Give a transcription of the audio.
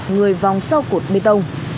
người vòng sau cột bê tông